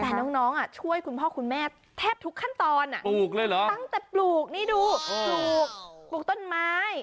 แต่น้องช่วยคุณพ่อคุณแม่แทบทุกขั้นตอนปลูกเลยเหรอตั้งแต่ปลูกนี่ดูปลูกปลูกต้นไม้